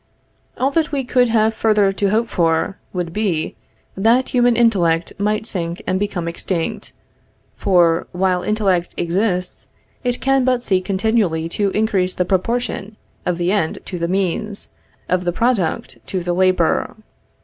All that we could have further to hope for, would be, that human intellect might sink and become extinct; for, while intellect exists, it can but seek continually to increase the proportion of the end to the means; of the product to the labor.